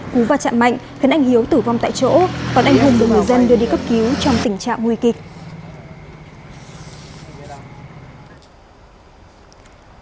cú và chạm mạnh khiến anh hiếu tử vong tại chỗ còn anh hùng được người dân đưa đi cấp cứu trong tình trạng nguy kịch